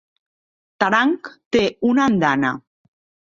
Terang té una andana.